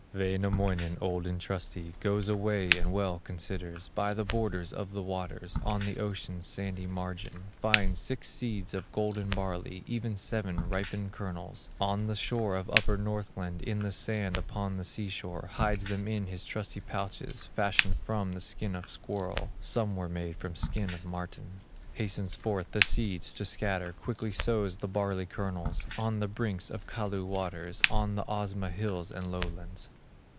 Wainamoinen, old and trusty, Goes away and well considers, By the borders of the waters, On the ocean's sandy margin, Finds six seeds of golden barley, Even seven ripened kernels, On the shore of upper Northland, In the sand upon the sea shore, Hides them in his trusty pouches, Fashioned from the skin of squirrel, Some were made from skin of marten; Hastens forth the seeds to scatter, Quickly sows the barley kernels, On the brinks of Kalew waters, On the Osma hills and lowlands.